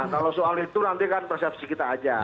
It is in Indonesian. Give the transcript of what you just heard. kalau soal itu nanti kan persepsi kita aja